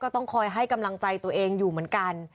ต้องคอยให้กำลังใจตัวเองอยู่เหมือนกัน